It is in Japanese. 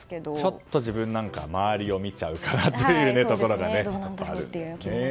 ちょっと自分なんかは周りを見ちゃうかなというところが。